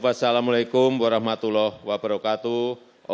wassalamu'alaikum warahmatullahi wabarakatuh